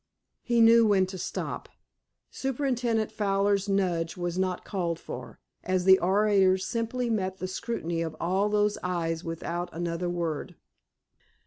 He knew when to stop. Superintendent Fowler's nudge was not called for, as the orator simply met the scrutiny of all those eyes without another word.